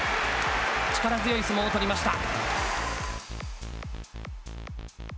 力強い相撲を取りました。